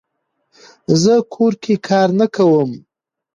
زه کور کې کار نه کووم